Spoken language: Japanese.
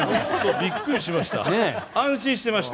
びっくりしました。